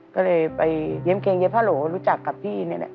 ก็เลยไปเย็บเกงเย็บผ้าโหลรู้จักกับพี่นี่แหละ